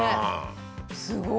すごい！